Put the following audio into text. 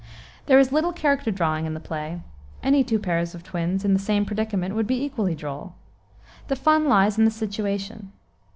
There is little character drawing in the play. Any two pairs of twins, in the same predicament, would be equally droll. The fun lies in the situation.